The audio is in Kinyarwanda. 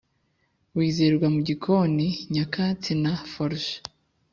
wizerwa mugikoni, nyakatsi na forge,